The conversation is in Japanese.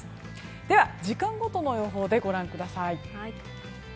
では、時間ごとの予報でご覧ください。